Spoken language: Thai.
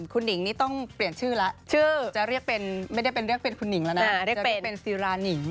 คุณหนิงนี่ต้องเปลี่ยนชื่อแล้วชื่อจะเรียกเป็นไม่ได้เป็นเรียกเป็นคุณหนิงแล้วนะเรียกกันเป็นซีรานิง